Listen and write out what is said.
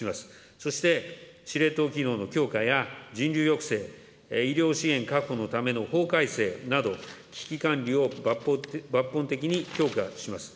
そして、司令塔機能の強化や人流抑制、医療資源確保のための法改正など、危機管理を抜本的に強化します。